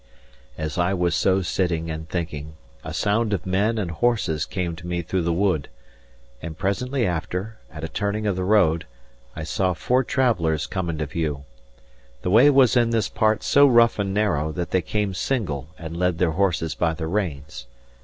As I was so sitting and thinking, a sound of men and horses came to me through the wood; and presently after, at a turning of the road, I saw four travellers come into view. The way was in this part so rough and narrow that they came single and led their horses by the reins.